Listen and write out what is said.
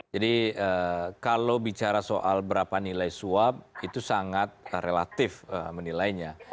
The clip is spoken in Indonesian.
jadi kalau bicara soal berapa nilai swab itu sangat relatif menilainya